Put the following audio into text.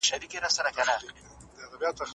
د اصولو واکمني يې د اشخاصو نه پورته بلله.